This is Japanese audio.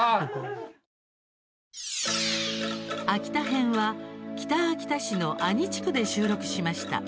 秋田編は、北秋田市の阿仁地区で収録しました。